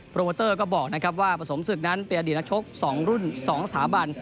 โมเตอร์ก็บอกนะครับว่าประสมศึกนั้นเป็นอดีตนักชก๒รุ่น๒สถาบัน